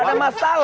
gak ada masalah